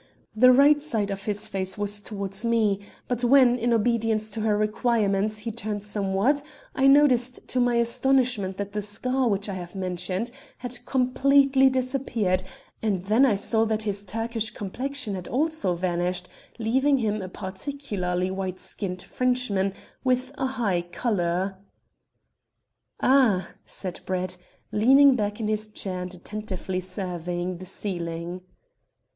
The right side of his face was towards me, but when, in obedience to her requirements, he turned somewhat, I noticed to my astonishment that the scar which I have mentioned had completely disappeared, and then I saw that his Turkish complexion had also vanished, leaving him a particularly white skinned Frenchman, with a high colour." "Ah!" said Brett, leaning back in his chair and attentively surveying the ceiling.